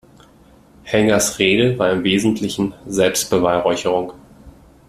Helgas Rede war im Wesentlichen Selbstbeweihräucherung.